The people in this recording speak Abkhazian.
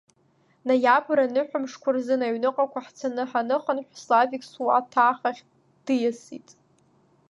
Ноиабр аныҳәамшқәа рзын, аҩныҟақәа ҳцаны ҳаныхынҳә, Славик суаҭах ахь диасит.